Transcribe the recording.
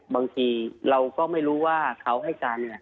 บางทีเราก็ไม่รู้ว่าเขาให้การเนี่ย